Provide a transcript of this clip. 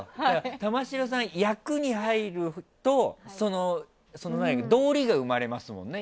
玉城さんは役に入ると道理が生まれますよね。